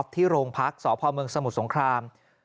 ที่โรงพักษ์สพเมืองสมุทรสงคราม